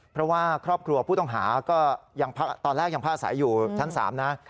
เพราะว่าครอบครัวผู้ต้องหาก็ตอนแรกยังผ้าสายอยู่ชั้น๓นะ